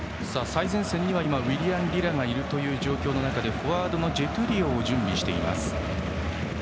最前線にはウィリアン・リラがいる状況の中でフォワードのジェトゥリオを準備しています。